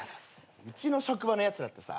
うちの職場のやつらってさ